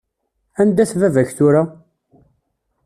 Anda-t baba-k tura?